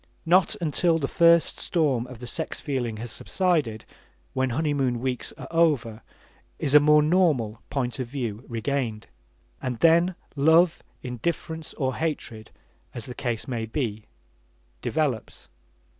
Not until the first storm of the sex feeling has subsided, when honeymoon weeks are over, is a more normal point of view regained. And then love, indifference, or hatred, as the case may be develops.